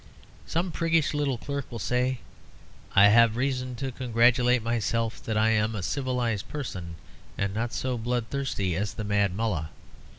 Some priggish little clerk will say, "I have reason to congratulate myself that I am a civilised person, and not so bloodthirsty as the Mad Mullah."